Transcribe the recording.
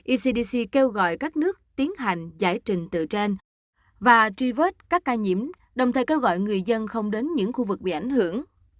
icdc kêu gọi các nước tiến hành giải trình tự trên và truy vết các ca nhiễm đồng thời kêu gọi người dân không đến những khu vực bị ảnh hưởng